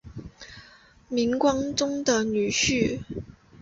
明光宗的女婿。